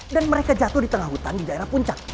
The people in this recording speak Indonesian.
dan mereka jatuh di tengah hutan di daerah puncak